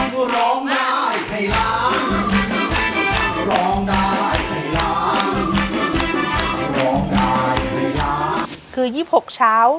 คือ๒๖เช้า